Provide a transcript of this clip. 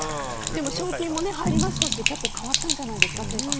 でも賞金も入りましたし結構、変わったんじゃないですか生活。